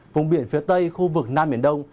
vùng biển phía tây khu vực nam biển đông